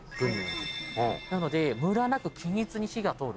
なのでむらなく均一に火が通る。